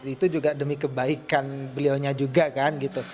itu juga demi kebaikan beliaunya juga kan gitu